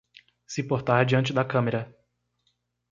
Se portar diante da câmera